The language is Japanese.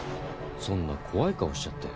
そんな怖い顔しちゃって。